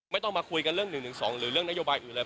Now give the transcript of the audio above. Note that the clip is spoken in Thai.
ไม่ต้องมาคุยกันเรื่อง๑๑๒หรือเรื่องนโยบายอื่นเลย